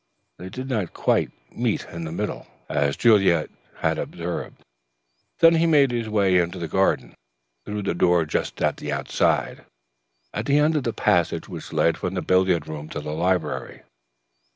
They did not quite meet in the middle, as Juliet had observed. Then he made his way out into the garden through the door just outside, at the end of the passage which led from the billiard room to the library.